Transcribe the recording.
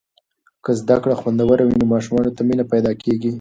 که زده کړه خوندوره وي، نو ماشومانو ته مینه پیدا کیږي.